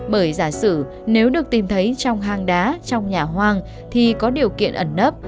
bởi giả sử nếu được tìm thấy trong hang đá trong nhà hoang thì có điều kiện ẩn nấp